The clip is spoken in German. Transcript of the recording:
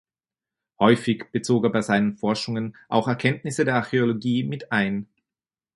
Häufig bezog er bei seinen Forschungen auch Erkenntnisse der Archäologie mit ein.